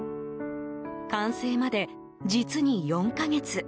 完成まで実に４か月。